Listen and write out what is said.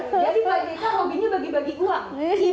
fahda jadi bapak jika hobinya bagi bagi uang